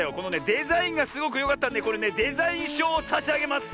デザインがすごくよかったんでこれねデザインしょうをさしあげます！